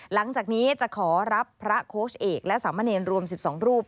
หลังจากนี้จะขอรับพระโค้ชเอกและสามเณรรวม๑๒รูป